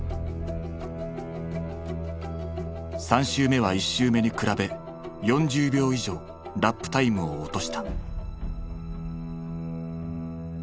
３周目は１周目に比べ４０秒以上ラップタイムを落とした。